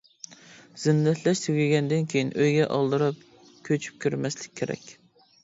زىننەتلەش تۈگىگەندىن كېيىن ئۆيگە ئالدىراپ كۆچۈپ كىرمەسلىك كېرەك.